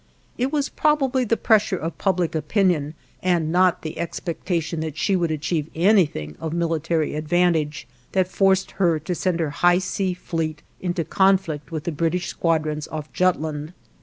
It was probably the pressure of public opinion, and not the expectation that she would achieve anything of military advantage, that forced her to send her high sea fleet into conflict with the British squadrons off Jutland.